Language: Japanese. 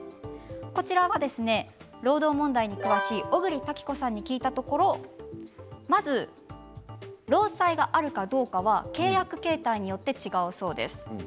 こちらは、労働問題に詳しい小栗多喜子さんに聞いたところまず労災があるかどうかは契約形態によって違うそうです。